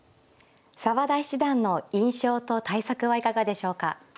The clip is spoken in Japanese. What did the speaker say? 澤田七段の印象と対策はいかがでしょうか。